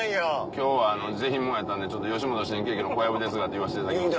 今日はぜひもんやったんで吉本新喜劇の小籔ですがって言わしていただきました。